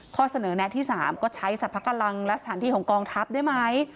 ข้อเสนอแนะที่๓ก็ใช้สรรพกำลังและสถานที่ของกองทัพได้ไหม